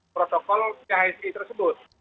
protokol chsa tersebut